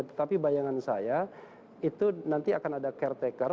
tetapi bayangan saya itu nanti akan ada caretaker